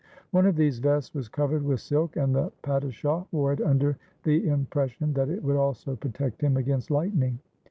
One of these vests was covered with silk, and the padishah wore it under the impres sion that it would also protect him against lightning.